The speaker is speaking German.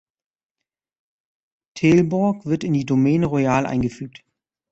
Taillebourg wird in die Domaine royal eingefügt.